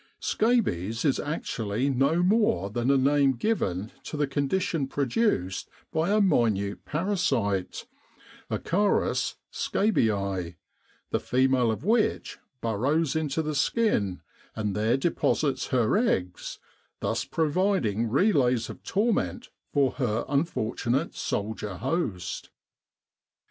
Scabies is actually no more than a name given to the condition produced by a minute parasite (acarus scabiei), the female of which burrows into the skin and there deposits her eggs, thus providing relays of torment for her unfortunate soldier host.